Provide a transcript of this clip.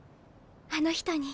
あの人に。